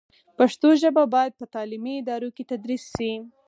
پښتو ژبه باید په تعلیمي ادارو کې تدریس شي.